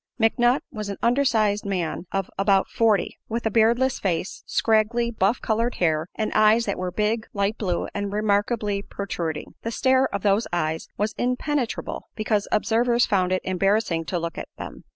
McNutt was an undersized man of about forty, with a beardless face, scraggly buff colored hair, and eyes that were big, light blue and remarkably protruding. The stare of those eyes was impenetrable, because observers found it embarrassing to look at them.